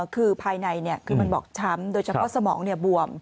คือภายในคือมันบอบช้ำโดยเฉพาะสมองบวม